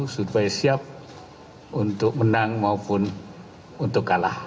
supaya siap untuk menang maupun untuk kalah